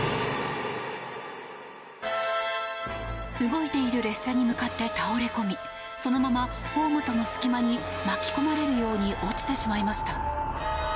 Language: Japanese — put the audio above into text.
動いている列車に向かって倒れ込みそのままホームとの隙間に巻き込まれるように落ちてしまいました。